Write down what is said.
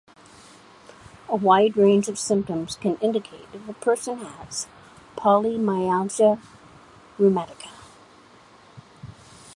A wide range of symptoms can indicate if a person has polymyalgia rheumatica.